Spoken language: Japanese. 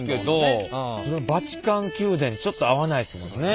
バチカン宮殿ちょっと合わないですもんね。